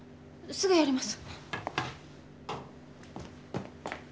すぐやります。